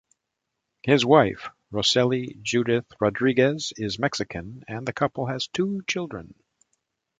His wife Rosseli Judith Rodriguez is Mexican and the couple has two children.